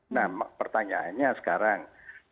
nah pertanyaannya sekarang